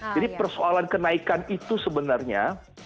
persoalan kenaikan itu sebenarnya